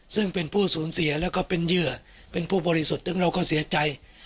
ซึ่งเป็นผู้สูญเสียแล้วก็เป็นเหยื่อเป็นผู้บริสุทธิ์ซึ่งเราก็เสียใจ